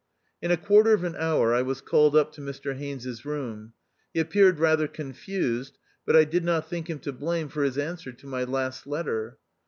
In a quarter of an hour I was called up to Mr Haines' room. He appeared rather con fused, but I did not think him to blame for his answer to my last letter.